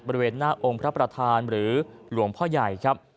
บริเวณหน้าองค์พระประธานหรือหลวงพ่อใหญ่ครับ